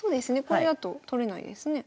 これだと取れないですね。